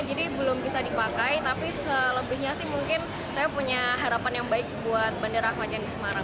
jadi belum bisa dipakai tapi selebihnya sih mungkin saya punya harapan yang baik buat bandara ahmad yani semarang